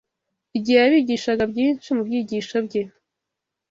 Igihe yabigishaga byinshi mu byigisho bye